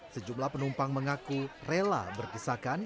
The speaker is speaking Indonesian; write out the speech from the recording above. sejumlah penumpang mengaku rela berpisahkan